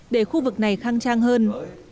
để khu vực này khăng trang hơn